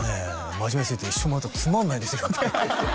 真面目すぎて一緒に回ったらつまんないですよ」